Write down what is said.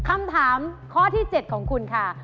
คำถามข้อที่๗ของคุณค่ะ